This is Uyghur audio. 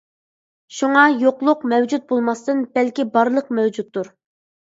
شۇڭا، «يوقلۇق» مەۋجۇت بولماستىن، بەلكى «بارلىق» مەۋجۇتتۇر.